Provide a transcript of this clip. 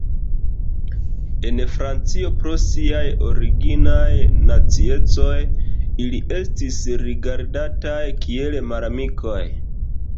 En Francio pro siaj originaj naciecoj ili estis rigardataj kiel malamikoj.